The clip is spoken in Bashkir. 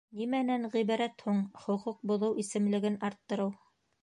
Нимәнән ғибәрәт һуң хоҡуҡ боҙоу исемлеген арттырыу?